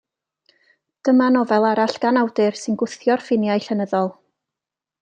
Dyma nofel arall gan awdur sy'n gwthio'r ffiniau llenyddol.